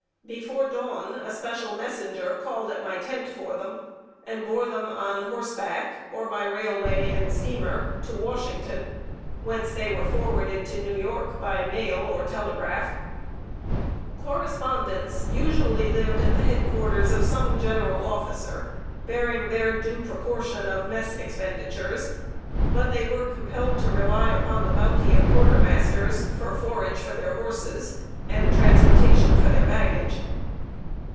Before dawn, a special messenger called at my tent for them, and bore them on horseback, or by railway and steamer, to Washington, whence they were forwarded to New York by mail or telegraph. Correspondents usually lived at the head quarters of some general officer, bearing their due proportion of mess expenditures; but they were compelled to rely upon the bounty of quartermasters for forage for their horses, and transportation for their baggage.